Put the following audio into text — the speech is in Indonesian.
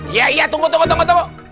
iya iya tunggu tunggu